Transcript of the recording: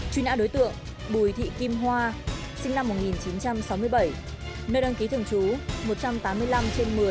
truy nã đối tượng bùi thị kim hoa sinh năm một nghìn chín trăm sáu mươi bảy nơi đăng ký thường trú một trăm tám mươi năm trên một mươi